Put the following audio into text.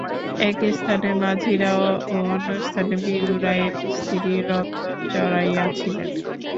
একস্থানে মাঝিরা ও অন্যস্থানে বীরু রায়ের স্ত্রী রন্ধন চড়াইয়াছিলেন।